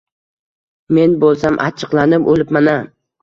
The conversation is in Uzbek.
men bo‘lsam achchiqlanib o‘libman-a...